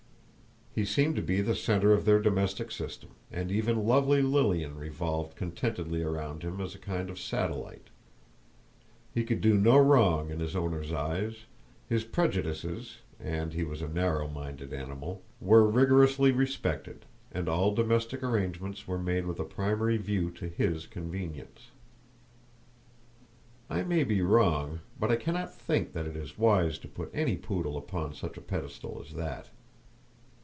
He seemed to be the centre of their domestic system, and even lovely Lilian revolved contentedly around him as a kind of satellite; he could do no wrong in his owner's eyes, his prejudices (and he was a narrow minded animal) were rigorously respected, and all domestic arrangements were made with a primary view to his convenience. I may be wrong, but I cannot think that it is wise to put any poodle upon such a pedestal as that.